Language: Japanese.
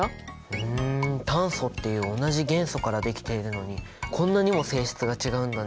ふん炭素っていう同じ元素からできているのにこんなにも性質が違うんだね。